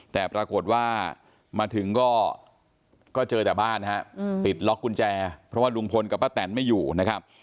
แต่ปรากฏว่ามาถึงก็เจอแต่บ้านฮะปิดล็อกกุญแจเพราะว่าลุงพลกับป้าแตนไม่อยู่นะครับ